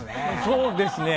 そうですね。